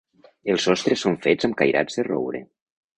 Els sostres són fets amb cairats de roure.